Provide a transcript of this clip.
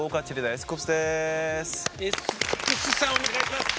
エスクプスさんお願いします。